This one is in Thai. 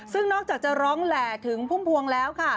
ซึ่งนอกจากจะร้องแหล่ถึงพุ่มพวงแล้วค่ะ